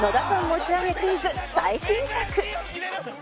持ち上げクイズ最新作